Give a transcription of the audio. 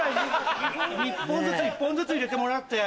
１本ずつ１本ずつ入れてもらって。